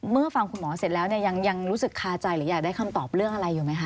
ฟังคุณหมอเสร็จแล้วเนี่ยยังรู้สึกคาใจหรืออยากได้คำตอบเรื่องอะไรอยู่ไหมคะ